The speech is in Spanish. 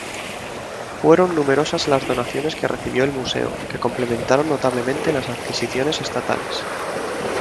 Fueron numerosas las donaciones que recibió el Museo, que complementaron notablemente las adquisiciones estatales.